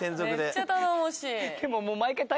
めっちゃ頼もしい。